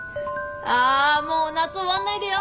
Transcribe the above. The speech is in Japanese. あもう夏終わんないでよ！